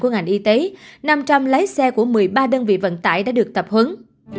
của ngành y tế năm trăm linh lái xe của một mươi ba đơn vị vận tải đã được tập huấn